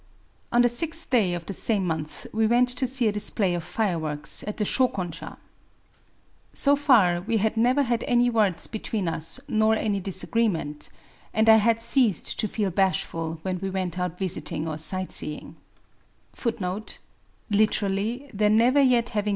On the sixth day of the same month we went to see a display of fireworks at the Shokonsha. — So far we had never had any words between us nor any disagreement ;^ and I had ceased to feel bashful when we went out visiting or sight seeing.